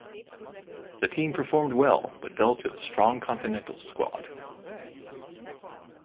The team performed well but fell to the strong Continentals squad.